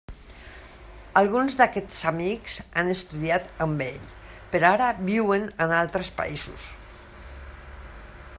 Alguns d'aquests amics han estudiat amb ell, però ara viuen en altres països.